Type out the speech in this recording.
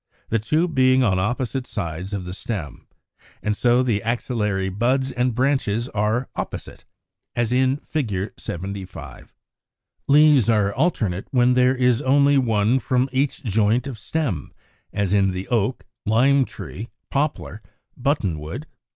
20), the two being on opposite sides of the stem; and so the axillary buds and branches are opposite, as in Fig. 75. Leaves are alternate when there is only one from each joint of stem, as in the Oak, Lime tree, Poplar, Button wood (Fig.